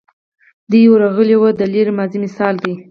دی ورغلی و هم د لرې ماضي مثال دی.